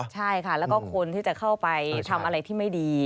ใช่ค่ะแล้วก็คนที่จะเข้าไปทำอะไรที่ไม่ดี